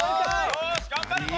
よし頑張るぞ！